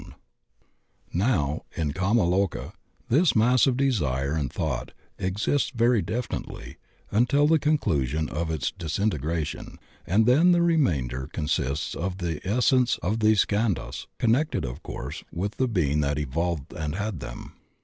THE SKANDHAS IN KAMA LOKA 103 Now in kama loka this mass of desire and thought exists very definitely until the conclusion of its disin tegration, and then the remainder consists of the es sence of these skandhas, connected, of course, with the being that evolved and had them.